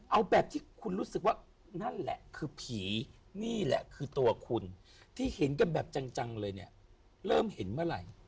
เอาแบบที่คุณรู้สึกว่านั่นแหละคือผีนี่แหละคือตัวคุณที่เห็นกันแบบจังเลยเนี่ยเริ่มเห็นเมื่อไหร่